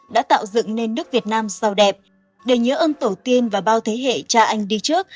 đã tạo dựng nên nước việt nam sâu đẹp để nhớ ơn tổ tiên và bao thế hệ cha anh đi trước